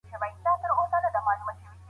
موږ سخت سوالونه حلوو.